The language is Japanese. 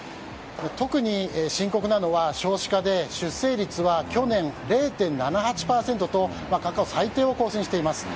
特に深刻なのは少子化で出生率は去年０．７８％と過去最低を更新しています。